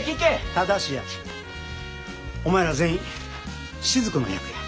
ただしやお前ら全員滴の役や。